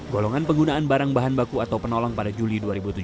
golongan penggunaan barang bahan baku atau penolong pada juli dua ribu tujuh belas